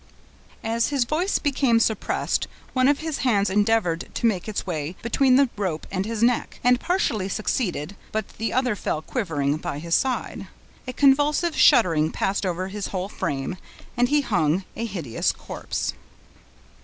As his voice became suppressed, one of his hands endeavored to make its way between the rope and his neck, and partially succeeded; but the other fell quivering by his side. A convulsive shuddering passed over his whole frame, and he hung a hideous corpse.